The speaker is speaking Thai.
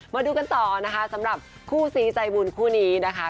มาดูกันต่อนะคะสำหรับคู่ซีใจบุญคู่นี้นะคะ